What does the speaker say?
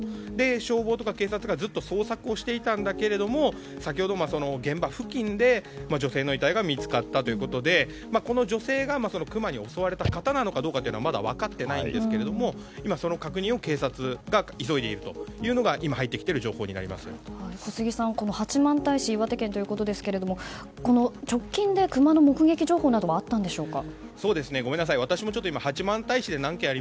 消防とか警察がずっと捜索をしていたんだけども先ほど現場付近で女性の遺体が見つかったということでこの女性がクマに襲われた方なのかというのはまだ分かっていないんですが今その確認を警察が急いでいるというのが小杉さん、八幡平市岩手県ということですけども直近でクマの目撃情報などはあったんでしょうか。